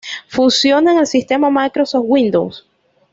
Funciona en el sistema Microsoft Windows.